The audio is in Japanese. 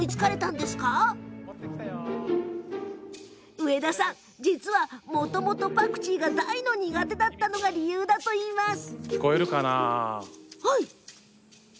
実は植田さん、もともとパクチーが大の苦手だったのが理由だといいます。